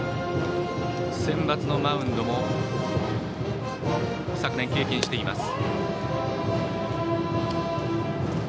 センバツのマウンドも昨年に経験しています。